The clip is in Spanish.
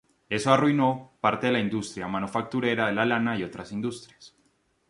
Eso arruinó parte de la industria manufacturera de la lana y otras industrias.